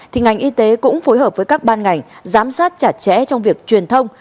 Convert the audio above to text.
thì ngành y tế cũng phối hợp với các ban ngành giám sát chặt chẽ trong việc truyền thông